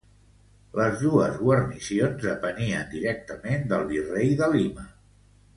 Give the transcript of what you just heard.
Les dos guarnicions depenien directament del virrei de Lima.